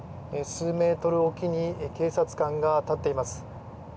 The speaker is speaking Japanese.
数メートルおきに警察官が立っています。